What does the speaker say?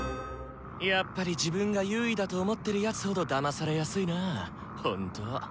やっぱり自分が優位だと思ってるやつほどだまされやすいなほんと。